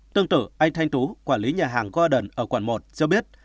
tương tự anh thanh tú quản lý nhà hàng golden ở quận một cho biết